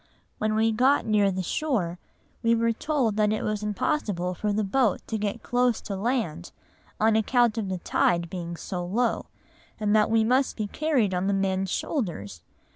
When we got near the shore, we were told it was impossible for the boat to get close to land, on account of the tide being so low, and that we must be carried on the men's shoulders.